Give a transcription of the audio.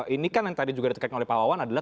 ini kan yang tadi juga ditekan oleh pak wawan adalah